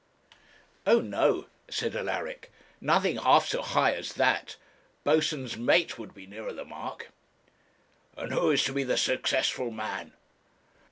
'Oh no,' said Alaric, 'nothing half so high as that. Boatswain's mate would be nearer the mark.' 'And who is to be the successful man?'